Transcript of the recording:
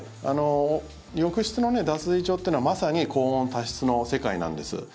浴室の脱衣所というのはまさに高温多湿の世界なんです。